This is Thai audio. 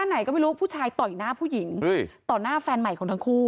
ไหนก็ไม่รู้ผู้ชายต่อยหน้าผู้หญิงต่อหน้าแฟนใหม่ของทั้งคู่